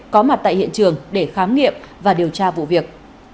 có mặt tại hiện trường để khám nghiệm và điều tra vụ việc